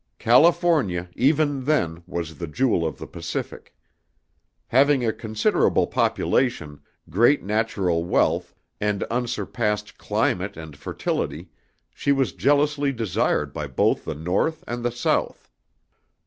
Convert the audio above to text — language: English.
California, even then, was the jewel of the Pacific. Having a considerable population, great natural wealth, and unsurpassed climate and fertility, she was jealously desired by both the North and the South.